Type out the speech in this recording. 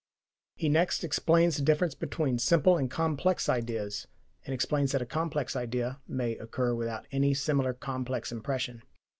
He next explains the difference between simple and complex ideas, and explains that a complex idea may occur without any similar complex impression.